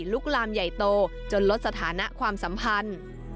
ลุกลามใหญ่โตจนลดสถานะความสัมพันธ์